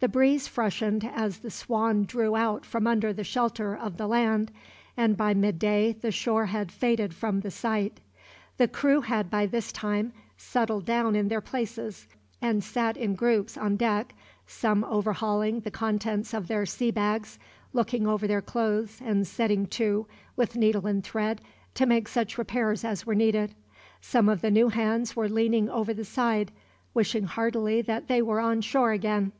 The breeze freshened as the Swan drew out from under the shelter of the land, and by midday the shore had faded from the sight. The crew had by this time settled down in their places, and sat in groups on deck, some overhauling the contents of their sea bags, looking over their clothes, and setting to, with needle and thread, to make such repairs as were needed. Some of the new hands were leaning over the side, wishing heartily that they were on shore again.